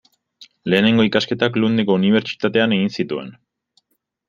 Lehenengo ikasketak Lundeko unibertsitatean egin zituen.